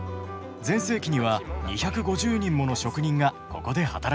全盛期には２５０人もの職人がここで働いていました。